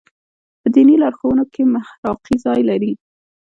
په دیني لارښوونو کې محراقي ځای لري.